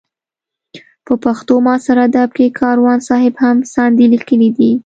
په پښتو معاصر ادب کې کاروان صاحب هم ساندې لیکلې دي.